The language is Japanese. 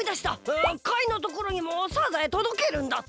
カイのところにもサザエとどけるんだった！